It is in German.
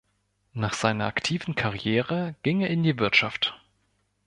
Nach seiner aktiven Karriere ging er in die Wirtschaft.